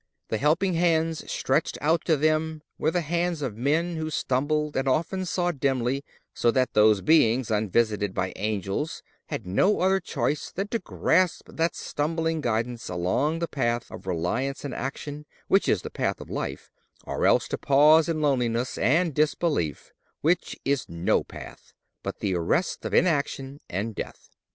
The helping hands stretched out to them were the hands of men who stumbled and often saw dimly, so that these beings unvisited by angels had no other choice than to grasp that stumbling guidance along the path of reliance and action which is the path of life, or else to pause in loneliness and disbelief, which is no path, but the arrest of inaction and death.